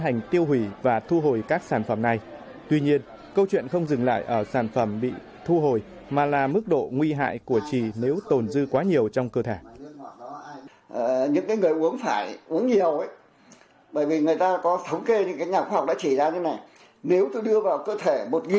và nếu tôi đưa vào cơ thể một mg mỗi ngày thì sau nhiều ngày sau có thể bị ngộ độc mạng tính